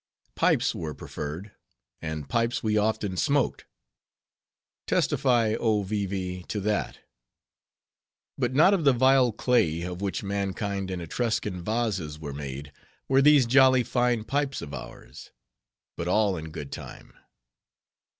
Pipes were preferred; and pipes we often smoked; testify, oh! Vee Vee, to that. But not of the vile clay, of which mankind and Etruscan vases were made, were these jolly fine pipes of ours. But all in good time.